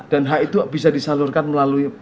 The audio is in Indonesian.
dan hak itu bisa disalurkan melalui